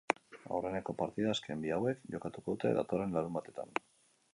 Aurreneko partida azken bi hauek jokatuko dute datorren larunbatean.